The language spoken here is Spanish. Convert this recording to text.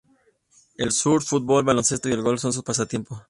El surf, fútbol, baloncesto y el golf son sus pasatiempos.